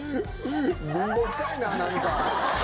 貧乏くさいなぁ何か。